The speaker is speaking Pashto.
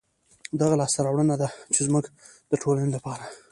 دا هغه لاسته راوړنه ده، چې زموږ د ټولنې لپاره